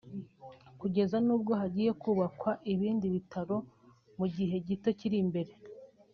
kugeza n’ubwo hagiye kubakwa ibindi bitaro mugihe gito kiri imbere”